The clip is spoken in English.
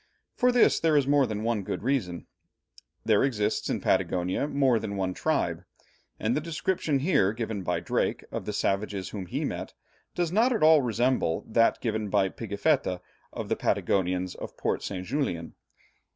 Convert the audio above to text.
For this there is more than one good reason. There exists in Patagonia more than one tribe, and the description here given by Drake of the savages whom he met, does not at all resemble that given by Pigafetta of the Patagonians of Port St. Julian.